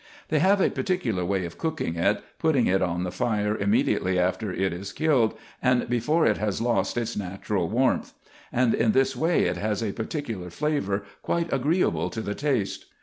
They have a particular way. of cooking it, putting it on the fire immediately after it is killed, and before it has lost its natural warmth ; and in this way it has a particular flavour, quite agreeable to the taste.